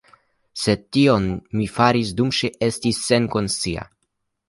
Sed tion mi faris, dum ŝi estis senkonscia.